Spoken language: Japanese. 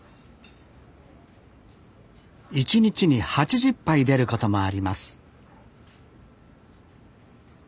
１日に８０杯出ることもあります